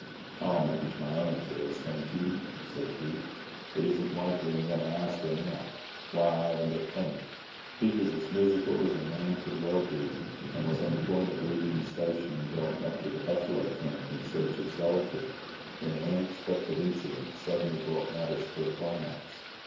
"I'll manage my own affairs, thank you," said Hugh. "It isn't likely I'm going to ask her now, when I haven't got a penny." He was as miserable as a man could well be, and was on the point of leaving the station and going back to the buffalo camp in search of solitude, when an unexpected incident suddenly brought matters to a climax.